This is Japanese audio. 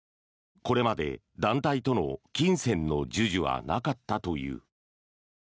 これまで団体との金銭の授受はなかったという。